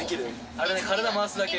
あのね体回すだけ。